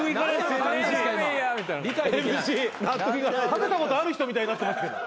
・食べたことある人みたいになってますけど。